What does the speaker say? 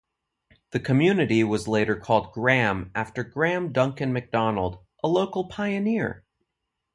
The community was later called Graham, after Graham Duncan McDonald, a local pioneer.